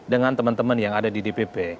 dengan teman teman yang ada di dpp